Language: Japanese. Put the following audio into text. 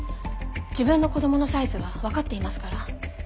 自分の子供のサイズは分かっていますから。